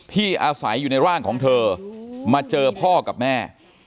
ที่อาศัยอยู่ในร่างของเธอมาเจอพ่อกับแม่